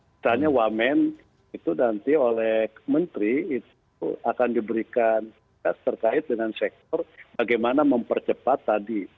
misalnya wamen itu nanti oleh menteri itu akan diberikan terkait dengan sektor bagaimana mempercepat tadi